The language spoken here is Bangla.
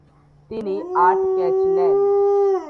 তিনি আট ক্যাচ নেন।